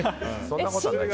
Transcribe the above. そんなことない。